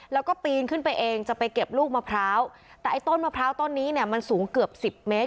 แล้วก็ปีนขึ้นไปเองจะไปเก็บลูกมะพร้าวแต่ไอ้ต้นมะพร้าวต้นนี้เนี่ยมันสูงเกือบสิบเมตร